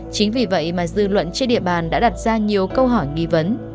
chính vì vậy mà dư luận trên địa bàn đã đặt ra nhiều câu hỏi nghi vấn